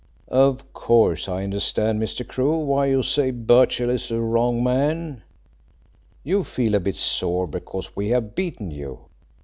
"Of course, I understand, Mr. Crewe, why you say Birchill is the wrong man. You feel a bit sore because we have beaten you.